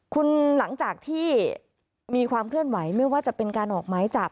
คุณหลังจากที่มีความเคลื่อนไหวไม่ว่าจะเป็นการออกไม้จับ